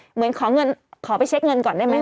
เหมือนขอเงินขอไปเช็คเงินก่อนได้ไหม